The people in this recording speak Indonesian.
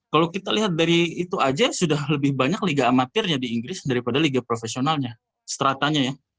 kalau kita lihat dari itu aja sudah lebih banyak liga amatirnya di inggris daripada liga profesionalnya stratanya ya